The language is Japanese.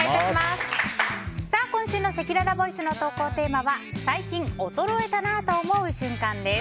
今週のせきららボイスの投稿テーマは最近衰えたなぁと思う瞬間です。